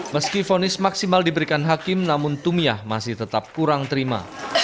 meski fonis maksimal diberikan hakim namun tumiah masih tetap kurang terima